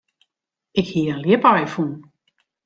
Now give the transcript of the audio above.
Ik hie in ljipaai fûn.